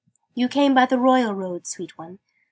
"You came by the Royal Road, sweet one.